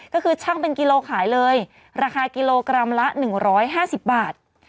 ก็คือช่างเป็นกิโลขายเลยราคากิโลกรัมละ๑๕๐บาท